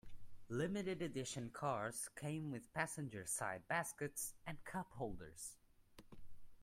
Limited edition cars came with passenger side baskets and cup holders.